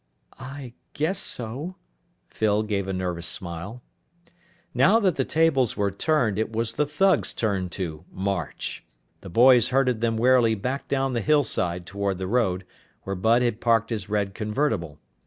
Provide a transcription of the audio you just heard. "I g guess so." Phyl gave a nervous smile. Now that the tables were turned, it was the thugs' turn to "march." The boys herded them warily back down the hillside toward the road, where Bud had parked his red convertible.